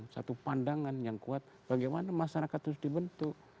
satu pandangan yang kuat bagaimana masyarakat terus dibentuk